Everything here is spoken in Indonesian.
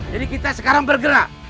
jadi kita sekarang bergerak